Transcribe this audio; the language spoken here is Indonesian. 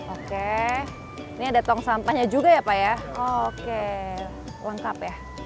oke ini ada tong sampahnya juga ya pak ya oke lengkap ya